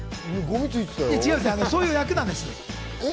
そういう役なんですよ。